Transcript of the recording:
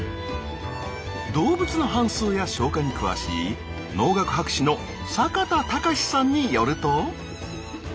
動物の反すうや消化に詳しい農学博士の坂田隆さんによると。